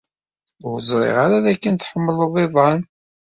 Ur ẓriɣ ara dakken tḥemmled iḍan.